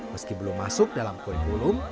meski belum masuk dalam koin bulum